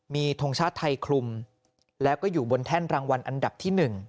มีทงชาติไทยคลุมแล้วก็อยู่บนแท่นรางวัลอันดับที่๑